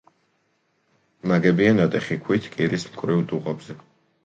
ნაგებია ნატეხი ქვით კირის მკვრივ დუღაბზე.